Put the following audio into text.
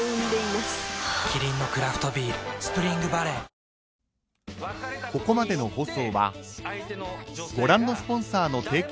キリンのクラフトビール「スプリングバレー」リセッシュータイム！